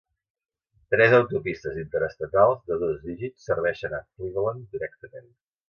Tres autopistes interestatals de dos dígits serveixen a Cleveland directament.